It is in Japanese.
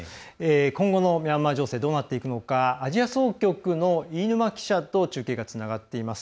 今後のミャンマー情勢どうなっていくのかアジア総局の飯沼記者と中継がつながっています。